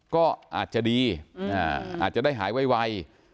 ก็อาจจะดีอาจจะได้หายไว